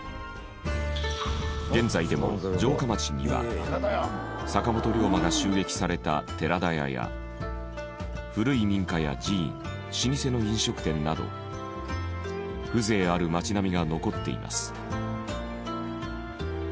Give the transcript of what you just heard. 現在でも城下町には坂本龍馬が襲撃された寺田屋や古い民家や寺院老舗の飲食店など風情ある町並みが残っています。